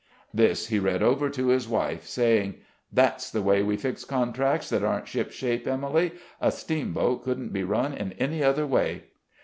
This he read over to his wife, saying: "That's the way we fix contracts that aren't ship shape, Emily; a steamboat couldn't be run in any other way."